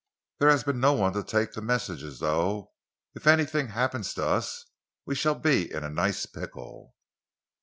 "There has been no one there to take the messages, though. If anything happens to us, we shall be in a nice pickle."